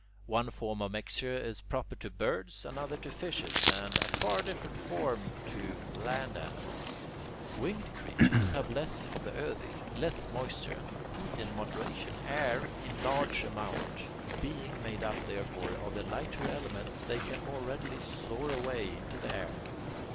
One form of mixture is proper to birds, another to fishes, and a far different form to land animals. Winged creatures have less of the earthy, less moisture, heat in moderation, air in large amount. Being made up, therefore, of the lighter elements, they can more readily soar away into the air.